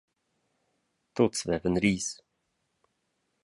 Tuts vevan ris.